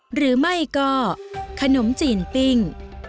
หรือไม่ก็ขนมจีนปิ้ง